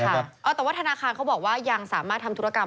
แต่ว่าธนาคารเขาบอกว่ายังสามารถทำธุรกรรม